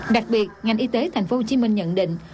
đặc biệt ngành y tế tp hcm nhận định